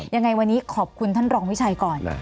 ยังไงวันนี้ขอบคุณท่านรองวิชัยก่อน